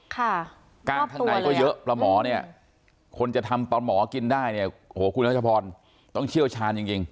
กล้างข้างในก็เยอะปลาหมอเนี่ยคนจะทำตอนหมอกินได้เนี่ยโหคุณรัชพรต้องเชี่ยวชาญจริงจริง